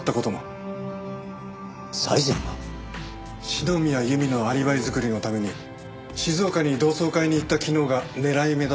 篠宮由美のアリバイ作りのために静岡に同窓会に行った昨日が狙い目だと考えたらしい。